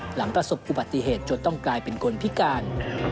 หลังประสบอุบัติเหตุจนต้องกลายเป็นคนพิการ